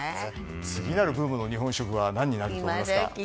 次なるブームの日本食は何になると思いますか？